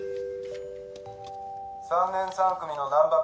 ３年３組の難破君。